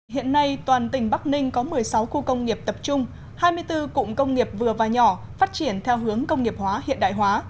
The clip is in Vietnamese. hiện nay toàn tỉnh bắc ninh có một mươi sáu khu công nghiệp tập trung hai mươi bốn cụm công nghiệp vừa và nhỏ phát triển theo hướng công nghiệp hóa hiện đại hóa